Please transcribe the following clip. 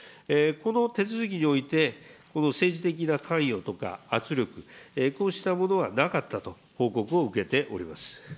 この手続きにおいて、政治的な関与とか圧力、こうしたものはなかったと報告を受けております。